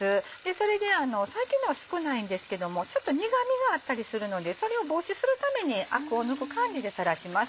それで最近では少ないんですけどもちょっと苦みがあったりするのでそれを防止するためにアクを抜く感じでさらします。